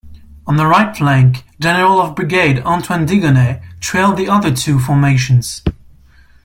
On the right flank, General of Brigade Antoine Digonet trailed the other two formations.